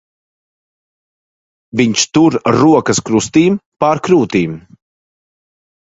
Viņš tur rokas krustīm pār krūtīm.